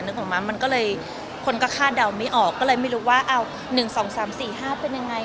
ออกมามันก็เลยคนก็คาดเดาไม่ออกก็เลยไม่รู้ว่า๑๒๓๔๕เป็นยังไง